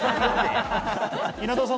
稲田さん